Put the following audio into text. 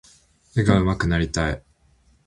絵が上手くなりたい。